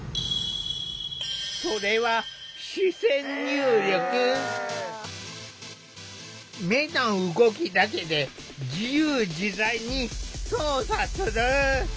それは目の動きだけで自由自在に操作する。